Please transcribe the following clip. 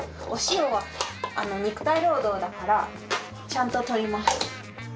お塩は肉体労働だからちゃんと取ります。